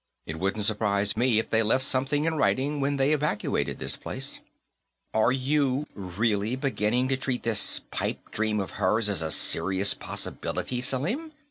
"It wouldn't surprise me if they left something in writing when they evacuated this place." "Are you really beginning to treat this pipe dream of hers as a serious possibility, Selim?"